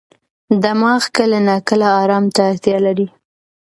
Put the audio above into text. دماغ کله ناکله ارام ته اړتیا لري.